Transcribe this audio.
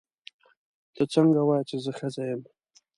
ته څنګه وایې چې زه ښځه یم.